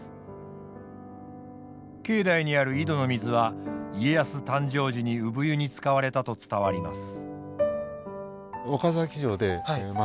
境内にある井戸の水は家康誕生時に産湯に使われたと伝わります。